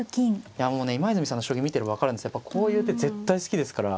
いやもうね今泉さんの将棋見てれば分かるんですけどやっぱこういう手絶対好きですから。